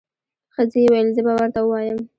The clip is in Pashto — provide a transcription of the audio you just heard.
ښځې وويل زه به ورته ووایم.